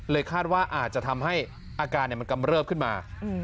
คาดว่าอาจจะทำให้อาการมันกำเริบขึ้นมา